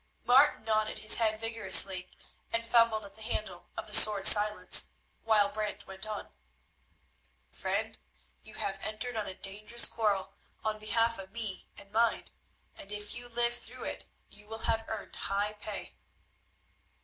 Martin nodded his head vigorously, and fumbled at the handle of the sword Silence, while Brant went on: "Friend, you have entered on a dangerous quarrel on behalf of me and mine, and if you live through it you will have earned high pay."